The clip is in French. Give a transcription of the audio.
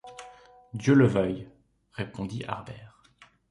Dieu le veuille! répondit Harbert.